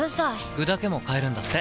具だけも買えるんだって。